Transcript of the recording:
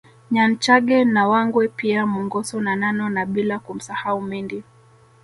Nyanchage na Wangwe pia Mongoso na Nano na bila kumsahau Mendi